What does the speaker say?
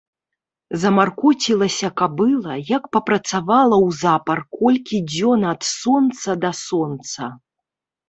Замаркоцілася кабыла, як папрацавала ўзапар колькі дзён ад сонца да сонца.